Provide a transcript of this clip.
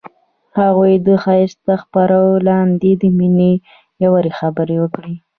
هغوی د ښایسته څپو لاندې د مینې ژورې خبرې وکړې.